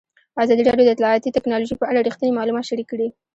ازادي راډیو د اطلاعاتی تکنالوژي په اړه رښتیني معلومات شریک کړي.